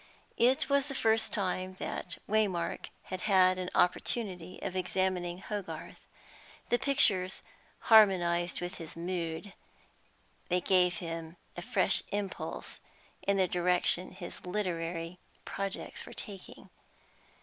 It was the first time that Waymark had had an opportunity of examining Hogarth; the pictures harmonised with his mood; they gave him a fresh impulse in the direction his literary projects were taking.